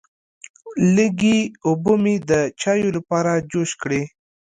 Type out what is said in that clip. لږې اوبه مې د چایو لپاره جوش کړې.